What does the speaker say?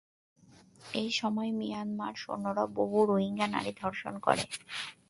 এসময় মিয়ানমার সৈন্যরা বহু রোহিঙ্গা নারীকে ধর্ষণ করে।